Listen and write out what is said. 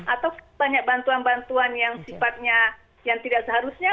atau banyak bantuan bantuan yang sifatnya yang tidak seharusnya